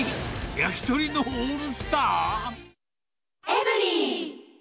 焼き鳥のオールスター？